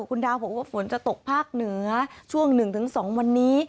คุณดาวบอกว่าฝนจะตกภาคเหนือช่วงหนึ่งถึงสองวันนี้